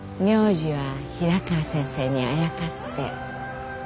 名字は平川先生にあやかって。